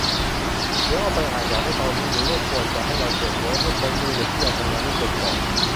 เดี๋ยวเอาไปให้อ่าน อยากได้ตอนนี้ หรือว่าควรจะให้เราเก็บไว้ให้พ้นมือเด็กที่ยังทำงานไม่เสร็จก่อน ?